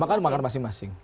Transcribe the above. makan di kamar masing masing